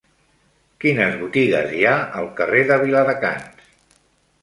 Quines botigues hi ha al carrer de Viladecans?